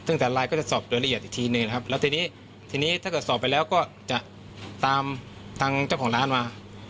ซึ่งแต่ไลน์ก็จะสอบโดยละเอียดอีกทีหนึ่งนะครับแล้วทีนี้ทีนี้ถ้าเกิดสอบไปแล้วก็จะตามทางเจ้าของร้านมา